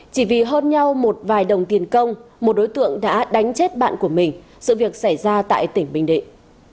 chỉ vì hơn nhau một vài đồng tiền công một đối tượng đã đánh chết bạn của mình sự việc xảy ra tại tỉnh bình định